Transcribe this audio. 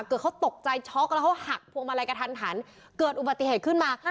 เกิดเขาตกใจช็อกแล้วเขาหักพวงมาลัยกระทันหันเกิดอุบัติเหตุขึ้นมา